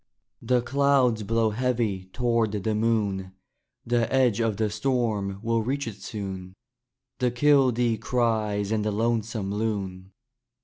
The clouds blow heavy toward the moon. The edge of the storm will reach it soon. The kildee cries and the lonesome loon.